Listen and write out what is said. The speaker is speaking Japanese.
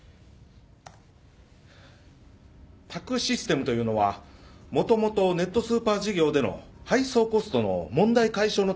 宅・システムというのはもともとネットスーパー事業での配送コストの問題解消のためにつくったものでして。